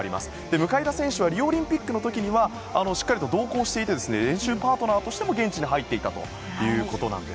向田選手リオオリンピックの時はしっかり同行して練習パートナーとしても現地に入っていたということで。